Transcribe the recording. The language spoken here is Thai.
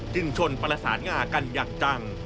ชนประสานงากันอย่างจัง